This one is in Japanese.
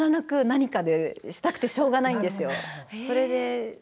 何かをしたくてしょうがないんですよ。